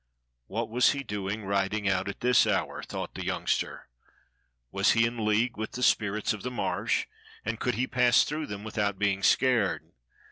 What was he doing riding out at this hour, thought the young ster? Was he in league with the spirits of the Marsh, and could he pass through them without being scared?